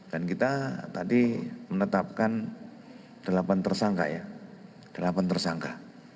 dan kita tadi menetapkan delapan tersangka ya delapan tersangka